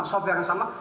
software yang sama